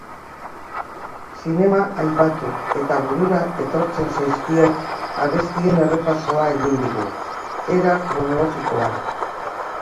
Zinema aipatu eta burura etortzen zaizkion abestien errepasoa egin digu, era kronologikoan.